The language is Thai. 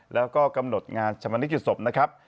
แล้วก็กำหนดงานชมนิกิจศพนะครับ